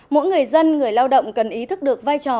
mỗi người dân người lao động cần ý thức được vai trò